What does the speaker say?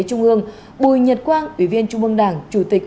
trung ương bùi nhật quang ủy viên trung ương đảng chủ tịch